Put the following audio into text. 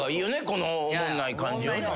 このおもんない感じをね。